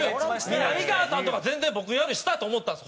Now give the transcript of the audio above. みなみかわさんとか全然僕より下やと思ったんです。